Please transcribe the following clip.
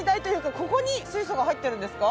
ここに水素が入ってるんですか？